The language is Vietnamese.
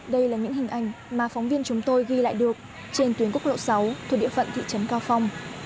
đây là những hình ảnh mà phóng viên chúng tôi ghi lại được trên tuyến quốc lộ sáu thuộc địa phận thị trấn cao phong